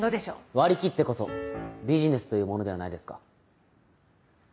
割り切ってこそビジネスというものではないですか。